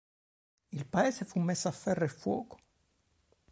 Il paese fu messo a ferro e fuoco.